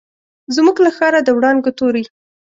زموږ له ښاره، د وړانګو توري